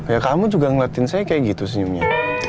ya kamu juga ngeliatin saya kayak gitu senyumnya